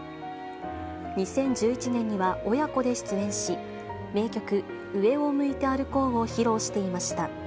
２０１１年には親子で出演し、名曲、上を向いて歩こうを披露していました。